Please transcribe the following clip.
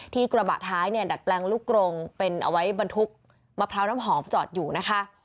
กระบะท้ายเนี่ยดัดแปลงลูกกรงเป็นเอาไว้บรรทุกมะพร้าวน้ำหอมจอดอยู่นะคะ